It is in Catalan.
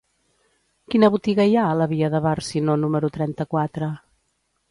Quina botiga hi ha a la via de Bàrcino número trenta-quatre?